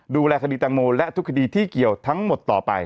ดูแลคดีแตงโมและทุกคดีที่เกี่ยวทั้งหมดต่อไป